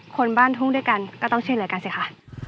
คนบ้านทุ่งด้วยกันก็ต้องช่วยรายการสิค่ะ